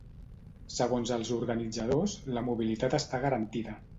Segons els organitzadors, la mobilitat està garantida.